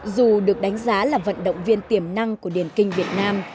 dù được đánh giá là vận động viên tiềm năng của điền kinh việt nam